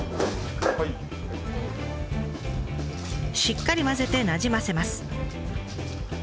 しっかり混ぜてなじませます。